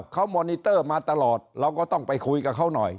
เขามอนิเตอร์มาตลอดเราก็ต้องไปคุยกับเขาหน่อย